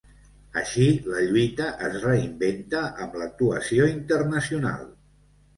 Així la lluita es reinventa amb l'actuació internacional.